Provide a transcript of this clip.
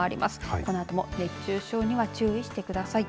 このあとも熱中症には注意してください。